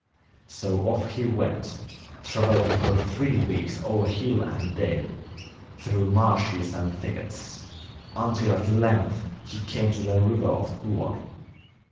So off he went, travelling for three weeks over hill and dale, through marshes and thickets, until at length he came to the river of Tuoni.